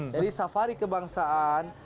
jadi safari kebangsaan